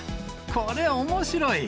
これ、おもしろい！